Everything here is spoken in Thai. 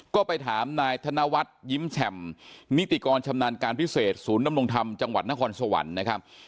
ก็ไปถามนายธนวัฒน์ยิ้มแฉ่มนิติกรชำนาญการพิเศษศูนย์ดำรงธรรมจังหวัดนครสวรรค์นะครับ